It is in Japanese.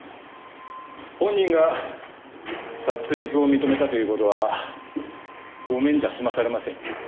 本人が殺戮を認めたという事はごめんじゃ済まされませんよ。